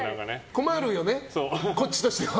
困るよね、こっちとしては。